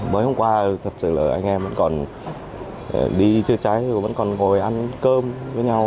mới hôm qua thật sự là anh em vẫn còn đi trưa trái vẫn còn ngồi ăn cơm với nhau